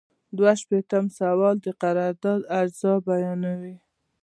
دوه شپیتم سوال د قرارداد اجزا بیانوي.